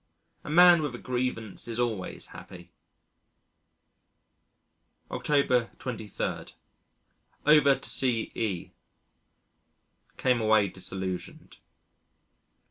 A man with a grievance is always happy. October 23. Over to see E . Came away disillusioned.